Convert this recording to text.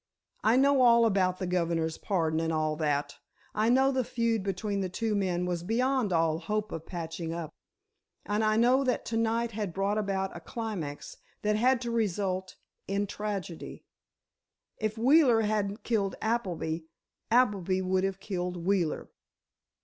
I know all about the governor's pardon and all that. I know the feud between the two men was beyond all hope of patching up. And I know that to night had brought about a climax that had to result in tragedy. If Wheeler hadn't killed Appleby—Appleby would have killed Wheeler."